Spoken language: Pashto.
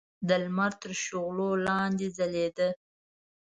د لمر تر شغلو لاندې ځلېده.